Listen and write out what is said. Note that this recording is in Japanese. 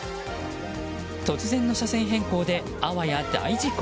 突然の車線変更であわや大事故。